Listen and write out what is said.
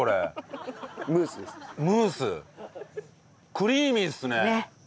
クリーミーです。